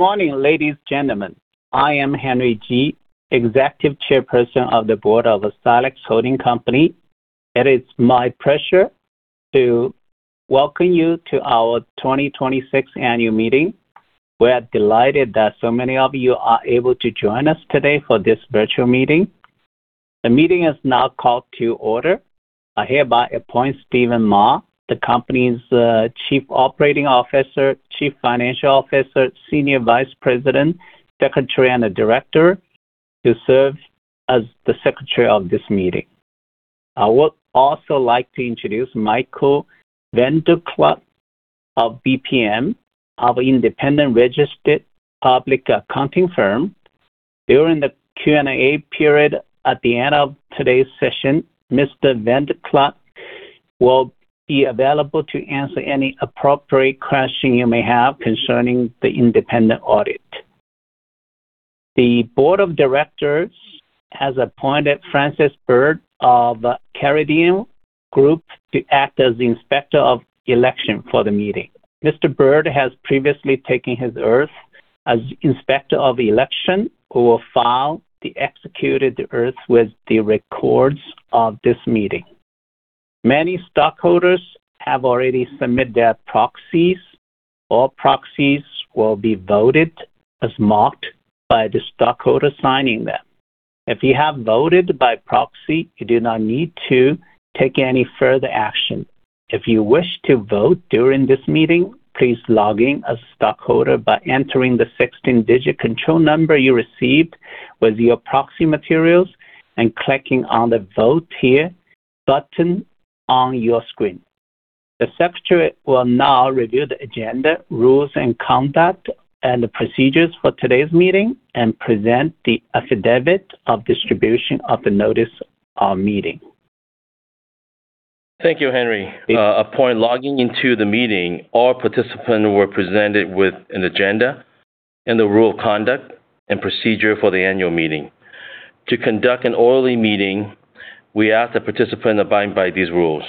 Morning, ladies and gentlemen. I am Henry Ji, Executive Chairperson of the Board of Scilex Holding Company. It is my pleasure to welcome you to our 2026 annual meeting. We are delighted that so many of you are able to join us today for this virtual meeting. The meeting is now called to order. I hereby appoint Stephen Ma, the company's Chief Operating Officer, Chief Financial Officer, Senior Vice President, Secretary, and a Director, to serve as the secretary of this meeting. I would also like to introduce Michael VanderKlugt of BPM, our independent registered public accounting firm. During the Q&A period at the end of today's session, Mr. VanderKlugt will be available to answer any appropriate question you may have concerning the independent audit. The Board of Directors has appointed Francis Byrd of The Carideo Group to act as the Inspector of Election for the meeting. Mr. Byrd has previously taken his oath as Inspector of Election, who will file the executed oath with the records of this meeting. Many stockholders have already submitted their proxies. All proxies will be voted as marked by the stockholder signing them. If you have voted by proxy, you do not need to take any further action. If you wish to vote during this meeting, please log in as stockholder by entering the 16-digit control number you received with your proxy materials and clicking on the Vote Here button on your screen. The secretary will now review the agenda, rules and conduct, and the procedures for today's meeting and present the Affidavit of Distribution of the Notice of Meeting. Thank you, Henry. Upon logging into the meeting, all participants were presented with an agenda and the rule of conduct and procedure for the annual meeting. To conduct an orderly meeting, we ask that participants abide by these rules.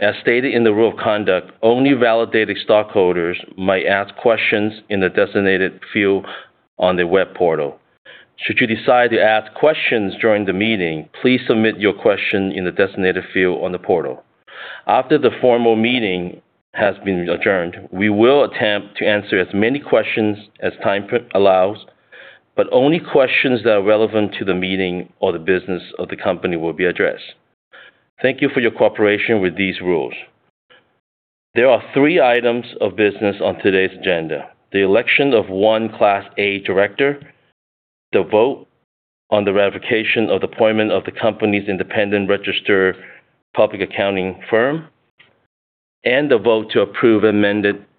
As stated in the rule of conduct, only validated stockholders may ask questions in the designated field on the web portal. Should you decide to ask questions during the meeting, please submit your question in the designated field on the portal. After the formal meeting has been adjourned, we will attempt to answer as many questions as time allows, but only questions that are relevant to the meeting or the business of the company will be addressed. Thank you for your cooperation with these rules. There are three items of business on today's agenda: the election of one Class I director, the vote on the ratification of the appointment of the company's independent registered public accounting firm, and the vote to approve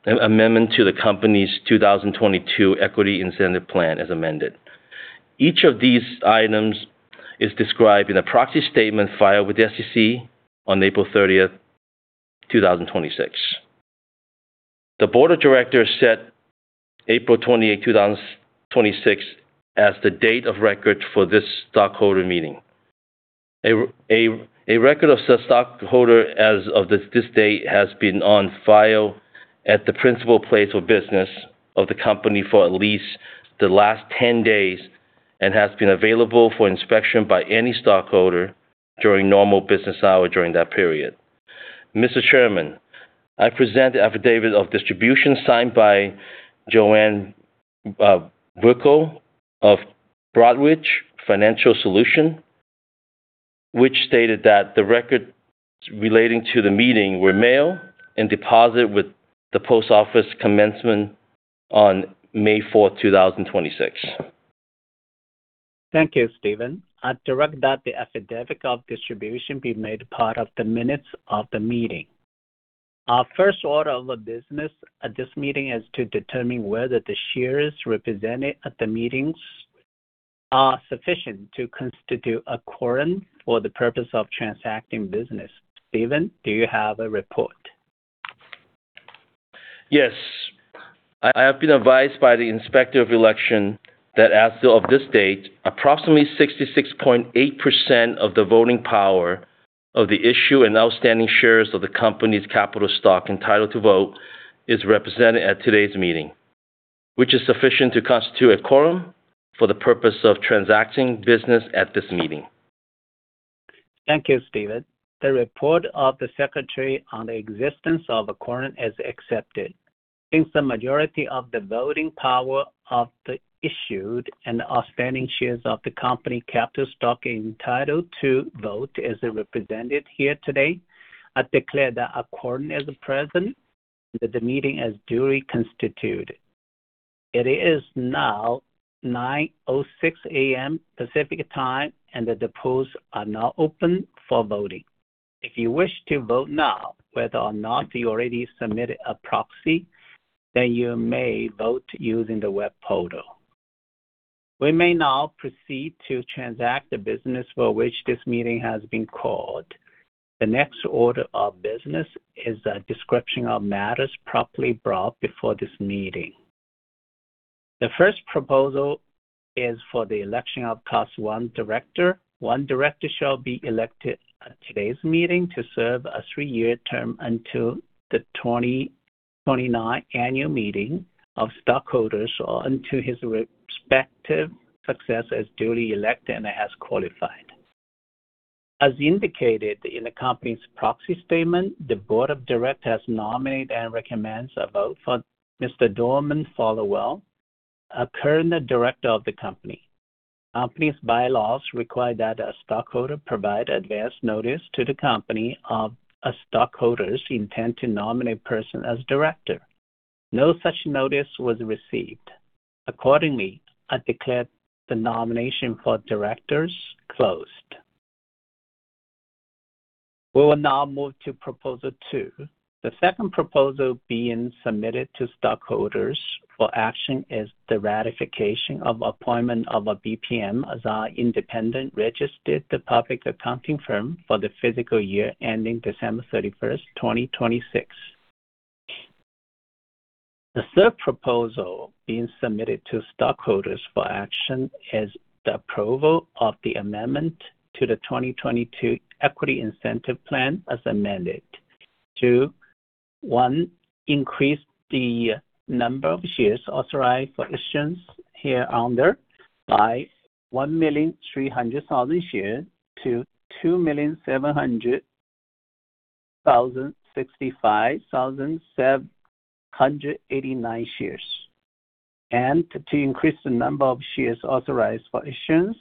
an amendment to the company's 2022 Equity Incentive Plan as amended. Each of these items is described in a proxy statement filed with the SEC on April 30th, 2026. The Board of Directors set April 28, 2026, as the date of record for this stockholder meeting. A record of such stockholder as of this date has been on file at the principal place of business of the company for at least the last 10 days and has been available for inspection by any stockholder during normal business hours during that period. Mr. Chairman, I present the Affidavit of Distribution signed by Joanne Vogel of Broadridge Financial Solutions, which stated that the records relating to the meeting were mailed and deposited with the post office commencement on May 4th, 2026. Thank you, Stephen. I direct that the Affidavit of Distribution be made part of the minutes of the meeting. Our first order of business at this meeting is to determine whether the shares represented at the meetings are sufficient to constitute a quorum for the purpose of transacting business. Stephen, do you have a report? Yes. I have been advised by the Inspector of Election that as of this date, approximately 66.8% of the voting power of the issued and outstanding shares of the company's capital stock entitled to vote is represented at today's meeting, which is sufficient to constitute a quorum for the purpose of transacting business at this meeting. Thank you, Stephen. The report of the Secretary on the existence of a quorum is accepted. Since the majority of the voting power of the issued and outstanding shares of the company capital stock entitled to vote is represented here today, I declare that a quorum is present, and that the meeting is duly constituted. It is now 9:06 A.M. Pacific Time, the polls are now open for voting. If you wish to vote now, whether or not you already submitted a proxy, then you may vote using the web portal. We may now proceed to transact the business for which this meeting has been called. The next order of business is a description of matters properly brought before this meeting. The first proposal is for the election of Class I director. One director shall be elected at today's meeting to serve a three-year term until the 2029 annual meeting of stockholders, or until his respective successor is duly elected and has qualified. As indicated in the company's proxy statement, the Board of Directors has nominated and recommends a vote for Mr. Dorman Followwill, a current director of the company. Company's bylaws require that a stockholder provide advance notice to the company of a stockholder's intent to nominate a person as director. No such notice was received. Accordingly, I declare the nomination for directors closed. We will now move to Proposal two. The second proposal being submitted to stockholders for action is the ratification of appointment of BPM as our independent registered public accounting firm for the fiscal year ending December 31st, 2026. The third proposal being submitted to stockholders for action is the approval of the amendment to the 2022 Equity Incentive Plan as amended to, one, increase the number of shares authorized for issuance hereunder by 1,300,000 shares to 2,765,789 shares. And to increase the number of shares authorized for issuance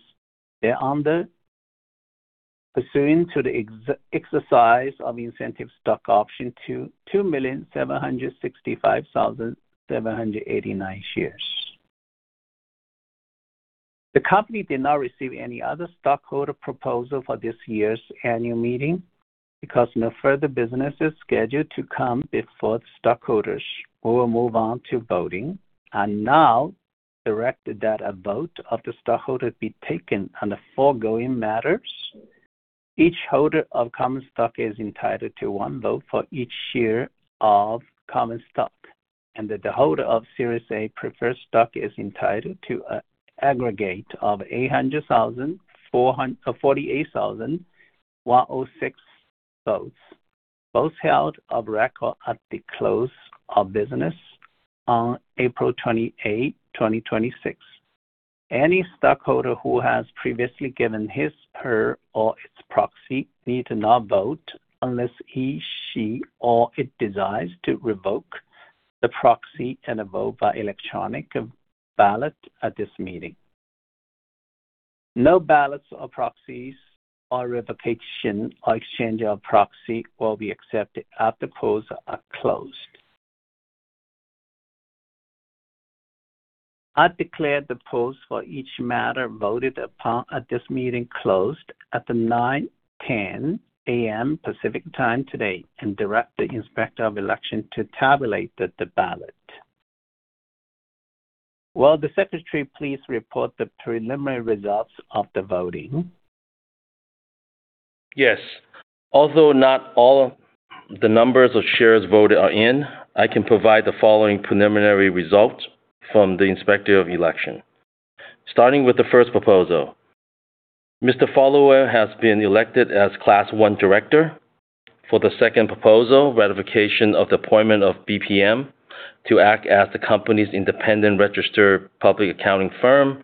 thereunder pursuant to the exercise of incentive stock option to 2,765,789 shares. The company did not receive any other stockholder proposal for this year's annual meeting. Because no further business is scheduled to come before the stockholders, we will move on to voting. I now direct that a vote of the stockholders be taken on the foregoing matters. Each holder of common stock is entitled to one vote for each share of common stock, and that the holder of Series A Preferred Stock is entitled to an aggregate of 848,106 votes, both held of record at the close of business on April 28, 2026. Any stockholder who has previously given his, her, or its proxy need not vote unless he, she, or it desires to revoke the proxy and a vote by electronic ballot at this meeting. No ballots or proxies or revocation or exchange of proxy will be accepted after polls are closed. I declare the polls for each matter voted upon at this meeting closed at 9:10 A.M. Pacific Time today and direct the Inspector of Election to tabulate the ballot. Will the Secretary please report the preliminary results of the voting? Yes. Although not all the numbers of shares voted are in, I can provide the following preliminary results from the Inspector of Election. Starting with the first proposal, Mr. Followwill has been elected as Class I director. For the second proposal, ratification of the appointment of BPM to act as the company's independent registered public accounting firm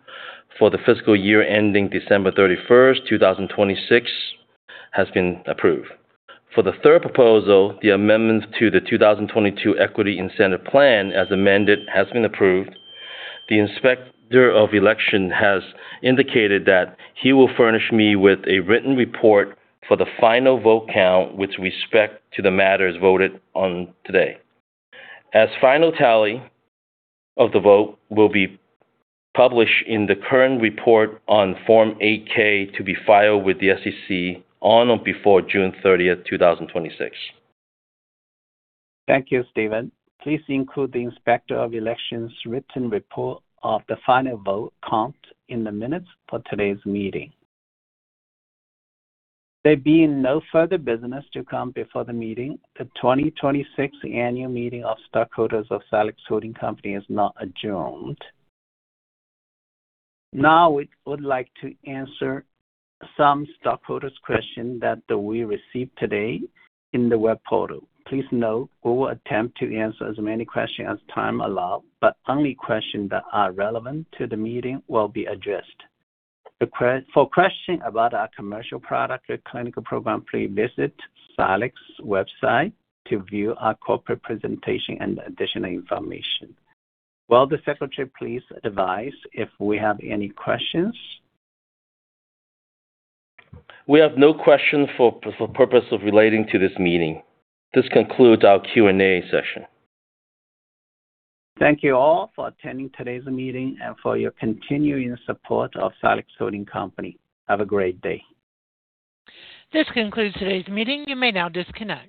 for the fiscal year ending December 31st, 2026, has been approved. For the third proposal, the amendment to the 2022 Equity Incentive Plan as amended has been approved. The Inspector of Election has indicated that he will furnish me with a written report for the final vote count with respect to the matters voted on today. As final tally of the vote will be published in the current report on Form 8-K to be filed with the SEC on or before June 30th, 2026. Thank you, Stephen. Please include the Inspector of Election's written report of the final vote count in the minutes for today's meeting. There being no further business to come before the meeting, the 2026 Annual Meeting of Stockholders of Scilex Holding Company is now adjourned. We would like to answer some stockholders' question that we received today in the web portal. Please note we will attempt to answer as many questions as time allows, but only questions that are relevant to the meeting will be addressed. For questions about our commercial product or clinical program, please visit Scilex's website to view our corporate presentation and additional information. Will the Secretary please advise if we have any questions? We have no questions for purpose of relating to this meeting. This concludes our Q&A session. Thank you all for attending today's meeting and for your continuing support of Scilex Holding Company. Have a great day. This concludes today's meeting. You may now disconnect